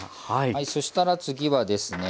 そしたら次はですね